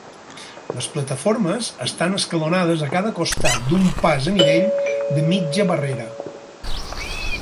Les plataformes estan escalonades a cada costat d"un pas a nivell de mitja barrera.